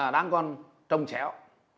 đang còn trông chéo